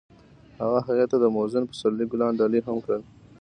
هغه هغې ته د موزون پسرلی ګلان ډالۍ هم کړل.